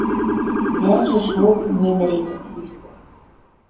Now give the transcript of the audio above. Мӓжӹ шолты немӹретӹм тиштӹ...